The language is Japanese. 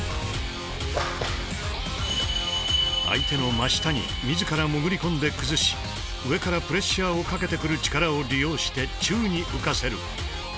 相手の真下に自ら潜り込んで崩し上からプレッシャーをかけてくる力を利用して宙に浮かせる。